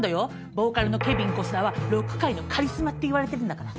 ボーカルのケビン小須田はロック界のカリスマって言われてるんだから。